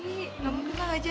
tunggu dulu lah gak jadi